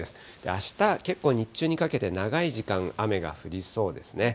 あした、結構日中にかけて長い時間、雨が降りそうですね。